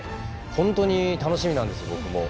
本当に楽しみです。